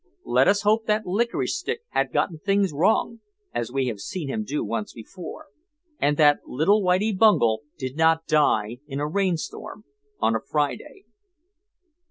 Let us hope that Licorice Stick had gotten things wrong (as we have seen him do once before) and that little Whitie Bungel did not die in a rainstorm on a Friday.